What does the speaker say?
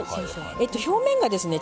表面がですね